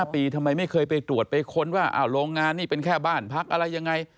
๕ปีทำไมไม่เคยไปตรวจไปค้นว่าโรงงานนี่เป็นแค่บ้านพักอะไรยังไง